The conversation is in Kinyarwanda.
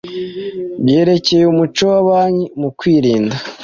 byerekeye umuco wa banki mu kwirinda